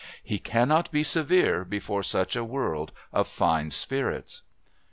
He cannot be severe before such a world of fine spirits.